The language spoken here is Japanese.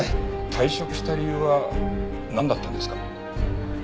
退職した理由はなんだったんですか？